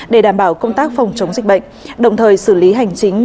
để đảm bảo công tác phòng chống dịch bệnh đồng thời xử lý hành chính